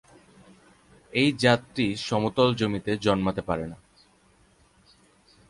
এই জাতটি সমতল জমিতে জন্মাতে পারে না।